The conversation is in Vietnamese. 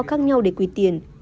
khác nhau để quỷt tiền